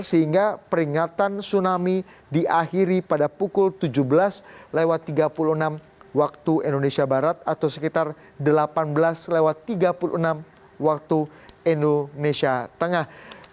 sehingga peringatan tsunami diakhiri pada pukul tujuh belas lewat tiga puluh enam waktu indonesia barat atau sekitar delapan belas tiga puluh enam waktu indonesia tengah